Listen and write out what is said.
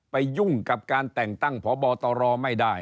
ยุ่งกับการแต่งตั้งพบตรไม่ได้